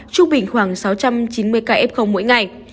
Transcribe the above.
trung bình khoảng sáu trăm chín mươi ca f mỗi ngày